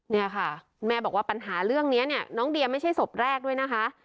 เนี่ยค่ะแม่บอกว่าปัญหาเรื่องนี้เนี่ยน้องเดียไม่ใช่ศพแรกด้วยนะคะ